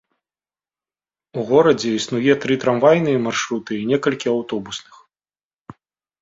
У горадзе існуе тры трамвайныя маршруты і некалькі аўтобусных.